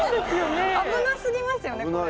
危なすぎますよねこれ。